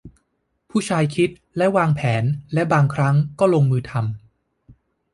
ผู้ชายคิดและวางแผนและบางครั้งก็ลงมือทำ